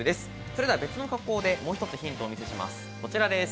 それでは別の加工でもう一つヒントをお見せします。